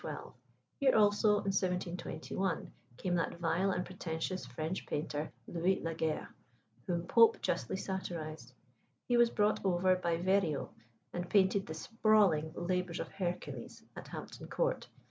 Here also, in 1721, came that vile and pretentious French painter, Louis Laguerre, whom Pope justly satirised. He was brought over by Verrio, and painted the "sprawling" "Labours of Hercules" at Hampton Court.